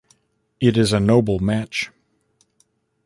It is a noble match.